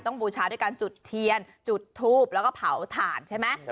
บูชาด้วยการจุดเทียนจุดทูบแล้วก็เผาถ่านใช่ไหม